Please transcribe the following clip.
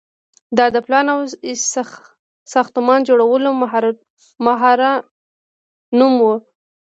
دا د پلان او ساختمان جوړولو ماهرانو نوم و.